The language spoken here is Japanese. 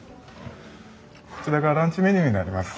こちらがランチメニューになります。